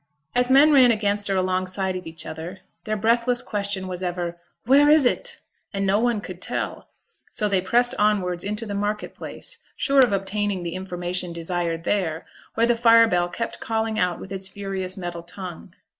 As men ran against or alongside of each other, their breathless question was ever, 'Where is it?' and no one could tell; so they pressed onwards into the market place, sure of obtaining the information desired there, where the fire bell kept calling out with its furious metal tongue.